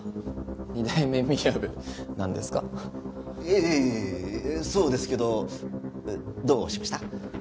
ええそうですけどどうしました？